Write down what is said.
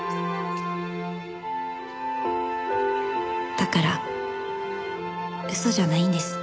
「だから嘘じゃないんです」